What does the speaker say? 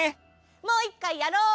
もういっかいやろう。